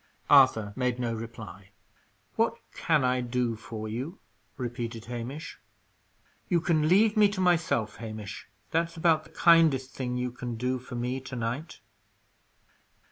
Arthur made no reply. "What can I do for you?" repeated Hamish. "You can leave me to myself, Hamish. That's about the kindest thing you can do for me to night."